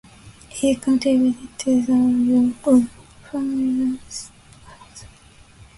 It contributes to the odor of some rancid oils.